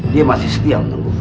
dia masih setia menunggumu